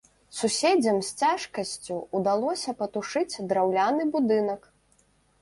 Суседзям з цяжкасцю ўдалося патушыць драўляны будынак.